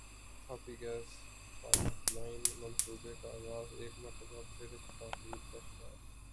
Tapi gas pipeline منصوبے کا اغاز ایک مرتبہ پھر تاخیر کا شکار